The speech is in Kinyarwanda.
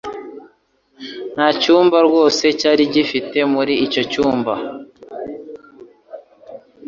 Nta cyumba rwose cyari gifite muri icyo cyumba.